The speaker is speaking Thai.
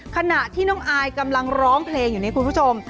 ขณะที่น้องอายกำลังร้องเพลงอยู่นี่คุณผู้ชม